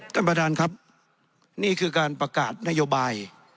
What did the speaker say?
ท่านประธานครับนี่คือการประกาศนโยบาย